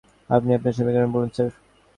আপনি আপনার সমীকরণ বলুন স্যার।